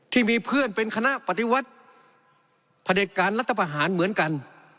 ที่มีเพื่อนเป็นคณะปฏิวัติประเด็จการรัฐประหารเหมือนกัน